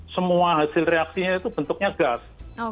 semua hasil reaksinya itu bentuknya gas